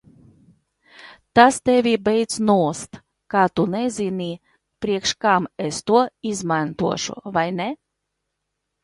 Tas tevi beidz nost, ka tu nezini, priekš kam es to izmantošu, vai ne?